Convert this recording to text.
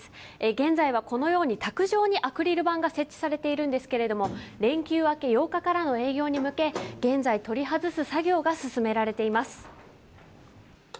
現在はこのように卓上にアクリル板が設置されているんですが連休明け８日からの営業に向け現在、取り外す作業が進められています。